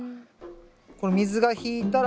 この水が引いたら。